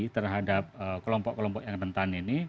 terhadap kelompok kelompok yang rentan ini